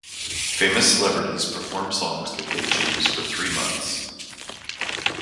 Famous celebrities perform songs that they choose for three months.